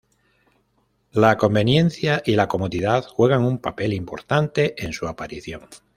La conveniencia y la comodidad juegan un papel importante en su aparición.